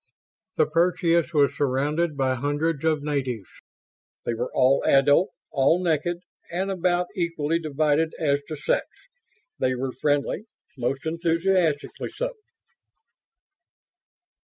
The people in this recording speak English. The Perseus was surrounded by hundreds of natives. They were all adult, all naked and about equally divided as to sex. They were friendly; most enthusiastically so.